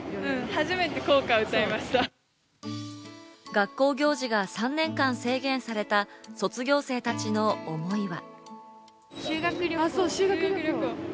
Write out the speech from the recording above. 学校行事が３年間制限された卒業生たちの思いは。